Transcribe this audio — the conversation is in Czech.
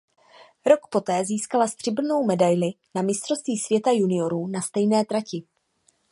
Rok poté získala stříbrnou medaili na Mistrovství světa juniorů na stejné trati.